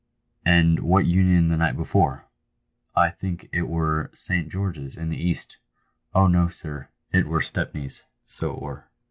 " And what Union the night before that ?"" I think it were St. Greorge's in the East. Oh, no, sir, it were Stepney, so it were."